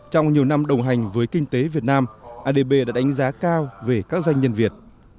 trong nhiều năm đồng hành với kinh tế việt nam adb đã đánh giá cao về các doanh nhân việt